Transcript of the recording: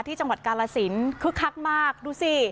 จังหวัดกาลสินคึกคักมากดูสิ